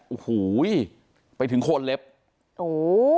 โอ้โหไปถึงโคนเล็บโอ้โห